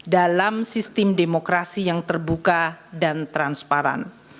dalam sistem demokrasi yang terbuka dan transparan